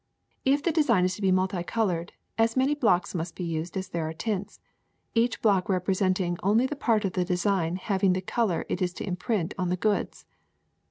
If the design is to be multicolored, as many blocks musf be used as there are tints, each block representing only the part of the design having the color it is to imprint on the goods.